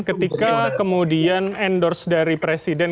ketika kemudian endorse dari presiden